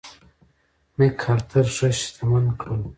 مک ارتر ښه شتمن کړل.